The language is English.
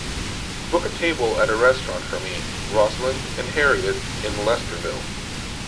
book a table at a restaurant for me, roslyn and harriett in Lesterville